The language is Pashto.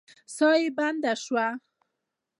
ساه مي بنده سوه.